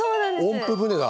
音符船だ！